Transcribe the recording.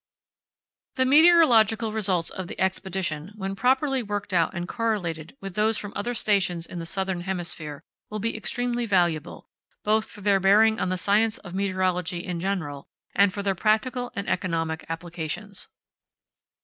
The meteorological results of the Expedition, when properly worked out and correlated with those from other stations in the southern hemisphere, will be extremely valuable, both for their bearing on the science of meteorology in general, and for their practical and economic applications.